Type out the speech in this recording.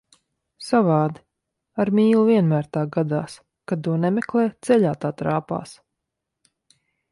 Savādi, ar mīlu vienmēr tā gadās, kad to nemeklē, ceļā tā trāpās.